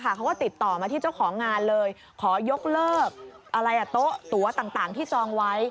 เขาก็ติดต่อมาที่เจ้าของงานเลยขอยกเลิกโต๊ะตัวต่างที่จองไว้